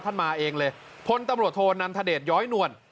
ท่านมาเองเลยพ้นตำรวจโธนนรษฎฎย้อยน่วน